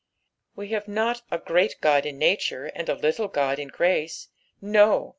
We have not a great God in nature, and a little God in grace ; no.